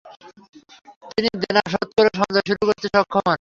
তিনি দেনা শোধ করে সঞ্চয় শুরু করতে সক্ষম হন।